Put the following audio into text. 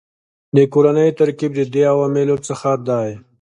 د کورنیو ترکیب د دې عواملو څخه دی